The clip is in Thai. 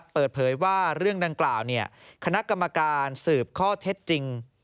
เปิดเพลยว่าเรื่องดังกล่าวเสือบข้อเท็จจริง